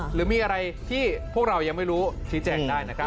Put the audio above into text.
หรือมีอะไรที่พวกเรายังไม่รู้ชี้แจงได้นะครับ